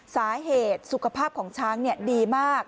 สาเหตุสุขภาพของช้างดีมาก